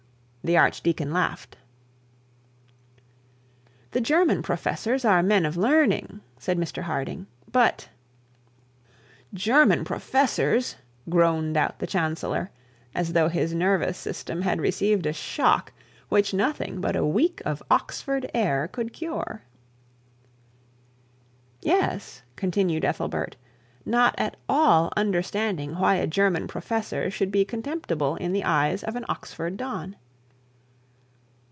The archdeacon laughed. 'The German professors are men of learning,' said Mr Harding, 'but ' 'German professors!' groaned out the chancellor, as though his nervous system had received a shock which nothing but a week of Oxford air would cure. 'Yes,' continued Ethelbert; not at all understanding why a German professor should be contemptible in the eyes of an Oxford don.